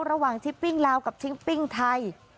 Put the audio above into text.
ระหว่างชิปปิ้งลาวกับชิงปิ้งไทย